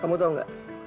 kamu dong ya